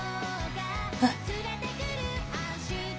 えっ？